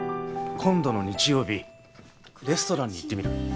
今度の日曜日レストランに行ってみる？